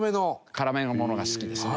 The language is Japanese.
辛めのものが好きですね。